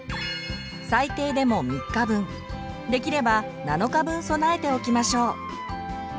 最低でも３日分できれば７日分備えておきましょう。